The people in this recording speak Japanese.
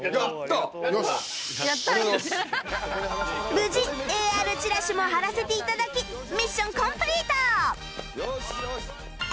無事 ＡＲ チラシも貼らせて頂きミッションコンプリート！